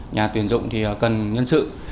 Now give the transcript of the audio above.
nhà tuyển dụng thì cần nhân sự